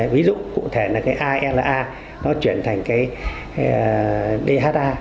ví dụ cụ thể là cái ala nó chuyển thành cái dha